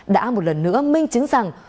đã một lần nữa minh chứng rằng